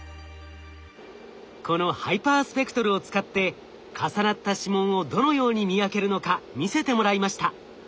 このハイパースペクトルを使って重なった指紋をどのように見分けるのか見せてもらいました。